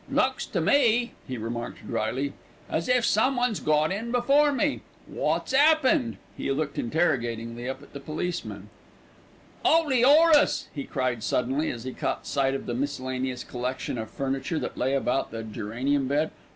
"Looks to me," he remarked drily, "as if someone's got in before me. Wot's 'appened?" He looked interrogatingly up at the policeman. "'Oly 'Orace," he cried suddenly, as he caught sight of the miscellaneous collection of furniture that lay about the geranium bed.